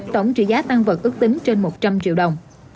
tổng trị giá tăng vật ước tính trên một trăm linh triệu đồng